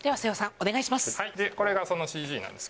お願いします。